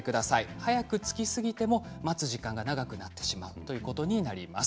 早く着きすぎても待つ時間が長くなってしまうということになります。